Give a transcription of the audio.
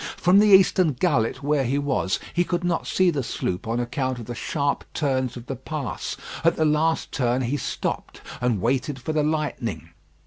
From the eastern gullet where he was, he could not see the sloop on account of the sharp turns of the pass. At the last turn he stopped and waited for the lightning.